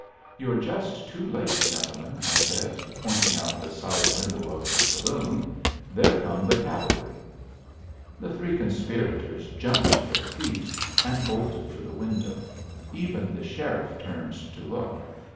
"You're just too late, gentlemen," I said, pointing out the side window of the saloon. "There come the cavalry." The three conspirators jumped to their feet and bolted for the window; even the sheriff turned to look.